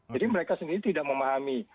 jadi mereka sendiri tidak memahami